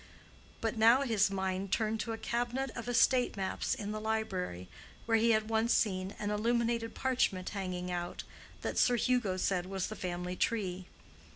But now his mind turned to a cabinet of estate maps in the library, where he had once seen an illuminated parchment hanging out, that Sir Hugo said was the family tree.